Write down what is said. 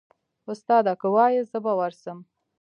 استاده که واياست زه به ورسم.